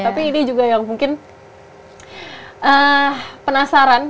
tapi ini juga yang mungkin penasaran